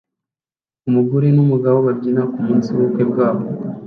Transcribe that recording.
Umugore numugabo babyina kumunsi wubukwe bwabo